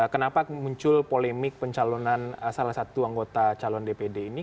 kenapa muncul polemik pencalonan salah satu anggota calon dpd ini